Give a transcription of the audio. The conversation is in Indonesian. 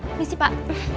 ini sih pak